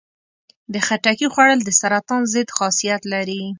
د خټکي خوړل د سرطان ضد خاصیت لري.